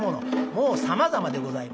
もうさまざまでございます。